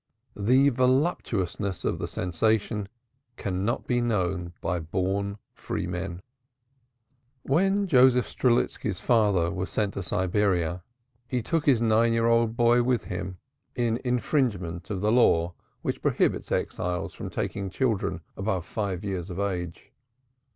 The voluptuousness of the sensation cannot be known by born freemen. When Joseph Strelitski's father was sent to Siberia, he took his nine year old boy with him in infringement of the law which prohibits exiles from taking children above five years of age.